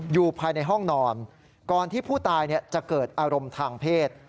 อยู่ภายในห้องนอนก่อนที่ผู้ตายจะเกิดอารมณ์ทางเพศ